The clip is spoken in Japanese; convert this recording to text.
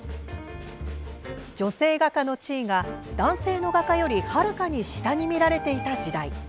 女性画家の地位が男性の画家よりはるか下に見られていた時代。